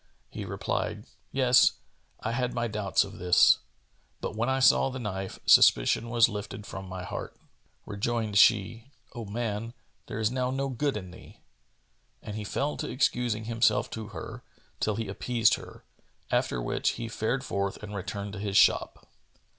He replied, "Yes, I had my doubts of this; but, when I saw the knife, suspicion was lifted from my heart." Rejoined she, "O man, there is now no good in thee!" And he fell to excusing himself to her, till he appeased her; after which he fared forth and returned to his shop.